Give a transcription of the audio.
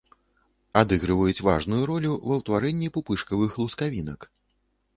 Адыгрываюць важную ролю ва ўтварэнні пупышкавых лускавінак.